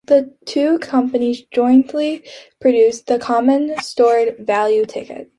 The two companies jointly produced the common stored value ticket.